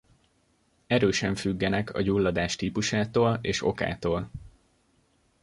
Erősen függenek a gyulladás típusától és okától.